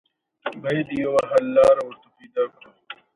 ښځه وپوښتله د مړي وخت څه وخت دی؟